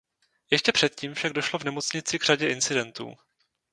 Ještě předtím však došlo v nemocnici k řadě incidentů.